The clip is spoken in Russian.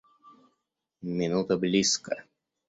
Минута близко.